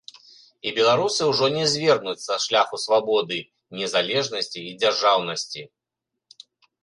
І беларусы ўжо не звернуць са шляху свабоды, незалежнасці і дзяржаўнасці.